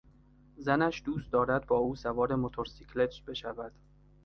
زنش دوست دارد با او سوار موتورسیکلت بشود.